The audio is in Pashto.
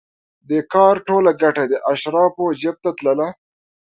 د کار ټوله ګټه د اشرافو جېب ته تلله.